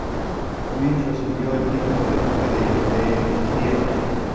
Luis recibió el título de duque de Enghien.